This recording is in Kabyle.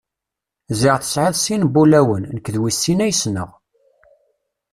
Ziɣ tesɛiḍ sin n wulawen, nekk d wis sin ay ssneɣ.